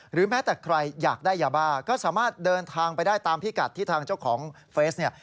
แม้แต่ใครอยากได้ยาบ้าก็สามารถเดินทางไปได้ตามพิกัดที่ทางเจ้าของเฟสเนี่ย